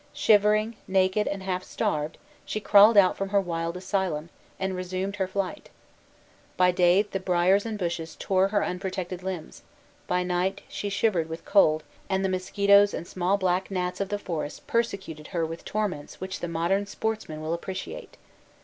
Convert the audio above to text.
Shivering, naked, and half starved, she crawled out from her wild asylum, and resumed her flight. By day, the briers and bushes tore her unprotected limbs; by night, she shivered with cold, and the mosquitoes and small black gnats of the forest persecuted her with torments which the modern sportsman will appreciate.